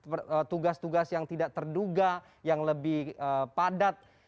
tugas tugas yang tidak terduga yang lebih padat